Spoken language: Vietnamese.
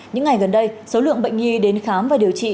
những ngày gần đây số lượng bệnh nhi đến khám và điều trị